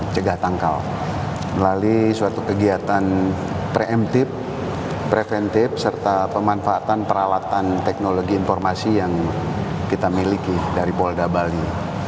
cegah tangkal melalui suatu kegiatan preemptif preventif serta pemanfaatan peralatan teknologi informasi yang kita miliki dari polda bali